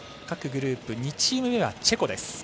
各グループ２チーム目はチェコです。